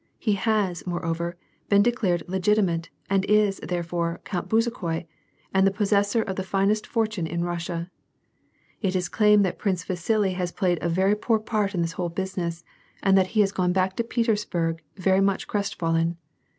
He has, moreover, been declared legiti mate, and is, therefore. Count Bezukhoi, and the possessor of the finest foi tune in Russia. It is claimed that Prince Vasili has played a very poor part in this whole business, and that he has gone back to Petersburg very much crestfallen.